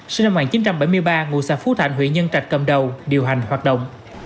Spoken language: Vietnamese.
sinh năm một nghìn chín trăm bảy mươi ba ngụ xã phú thạnh huyện nhân trạch cầm đầu điều hành hoạt động